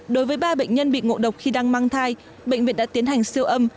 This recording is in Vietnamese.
đối với ba bệnh nhân bị ngộ độc khi đang mang thai bệnh viện đã tiến hành siêu âm